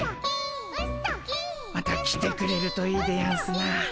また来てくれるといいでやんすな。